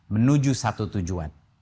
menuju satu tujuan